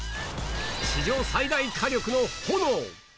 史上最大火力の炎。